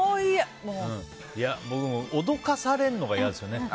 僕も、おどかされる嫌ですよね。